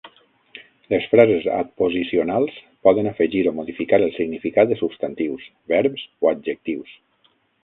Les frases adposicionals poden afegir o modificar el significat de substantius, verbs o adjectius.